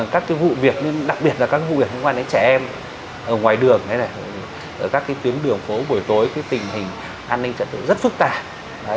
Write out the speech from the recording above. các cái vụ việc đặc biệt là các cái vụ việc liên quan đến trẻ em ở ngoài đường ở các cái tiếng đường phố buổi tối cái tình hình an ninh trật tự rất phức tạp